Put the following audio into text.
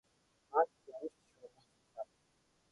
Хаана ч ямар ч шургах нүх алга.